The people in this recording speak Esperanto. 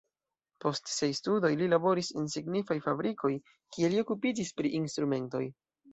Post siaj studoj li laboris en signifaj fabrikoj, kie li okupiĝis pri instrumentoj.